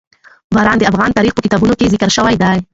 باران د افغان تاریخ په کتابونو کې ذکر شوي دي.